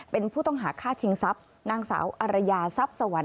เป็นผู้ต้องหาฆ่าชิงทรัพย์นางสาวอารยาทรัพย์สวรรค